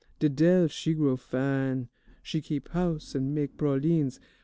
Didele, she grow fine, she keep house an' mek' pralines.